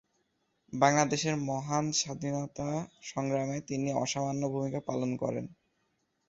বাংলাদেশের মহান স্বাধীনতা সংগ্রামে তিনি অসামান্য ভূমিকা পালন করেন।